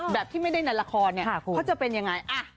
แบบที่ไม่ได้ราค่อนี้เขาจะเป็นอย่างไร